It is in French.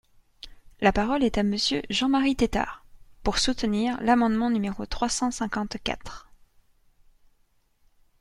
La parole est à Monsieur Jean-Marie Tetart, pour soutenir l’amendement numéro trois cent cinquante-quatre.